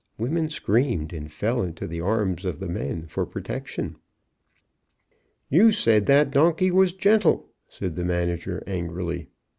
Women screamed and fell into the arms of the men for protection. "You said the donkey was gentle," said the manager, angrily.